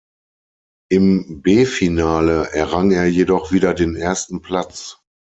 Im B-Finale errang er jedoch wieder den ersten Platz.